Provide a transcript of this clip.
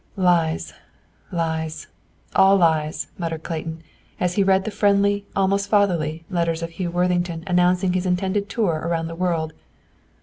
"Lies, lies, all lies," muttered Clayton, as he read the friendly, almost fatherly, letters of Hugh Worthington announcing his intended tour around the world.